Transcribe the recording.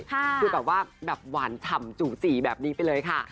คือว่าวานฉ่ำจู่จี่แบบนี้ไปเลยค่ะ